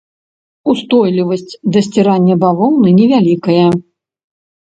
Устойлівасць да сцірання бавоўны невялікая.